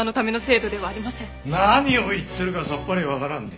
何を言ってるかさっぱりわからんね！